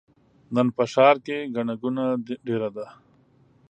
نن په ښار کې ګڼه ګوڼه ډېره ده.